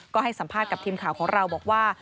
ก็ให้สัมภาษณ์กับทีมข่าวของเราบอกว่า